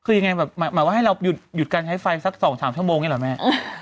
คือยังไงแบบหมายว่าให้เราหยุดการใช้ไฟสัก๒๓ชั่วโมงอย่างนี้เหรอแม่